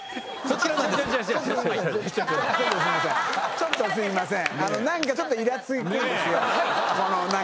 ちょっとすいません。